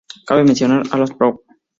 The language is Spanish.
Cabe mencionarse a los Prof.